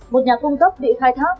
một nhà cung cấp bị khai thác